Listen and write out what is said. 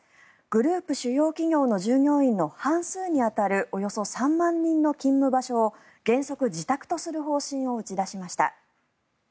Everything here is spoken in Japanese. グループ主要企業の従業員の半数に当たるおよそ３万人の勤務場所を原則自宅とする方針を打ち出しました。